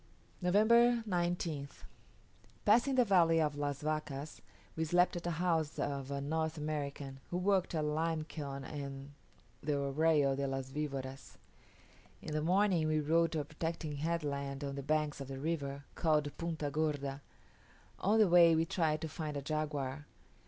November 19th. Passing the valley of Las Vacas, we slept at a house of a North American, who worked a lime kiln on the Arroyo de las Vivoras. In the morning we rode to a protecting headland on the banks of the river, called Punta Gorda. On the way we tried to find a jaguar.